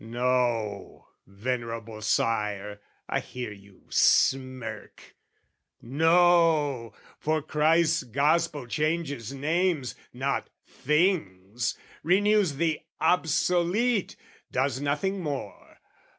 "No," venerable sire, I hear you smirk, "No: for Christ's gospel changes names, not things, "Renews the obsolete, does nothing more!